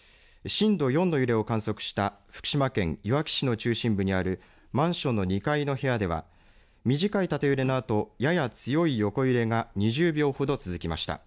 震度４の揺れを観測した福島県いわき市の中心部にあるマンションの２階の部屋では短い縦揺れのあとやや強い横揺れが２０秒ほど続きました。